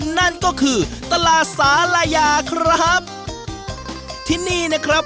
นั่นก็คือตลาดสาลายาครับที่นี่นะครับ